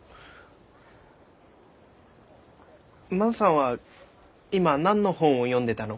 万さんは今何の本を読んでたの？